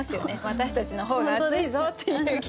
私たちの方が熱いぞっていう気持ちが。